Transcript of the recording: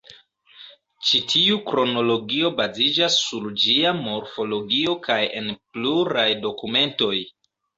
Ĉi tiu kronologio baziĝas sur ĝia morfologio kaj en pluraj dokumentoj.